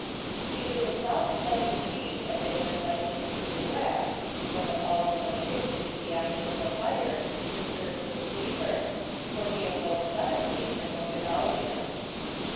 Either the soft stepping feet as they went lightly through the grass, or the falling of a stick into the ashes of the fire disturbed the sleeper, for he awoke suddenly and looked about him.